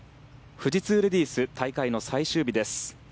富士通レディース大会の最終日です。